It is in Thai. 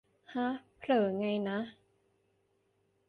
ห๊ะ เผลอไงนะ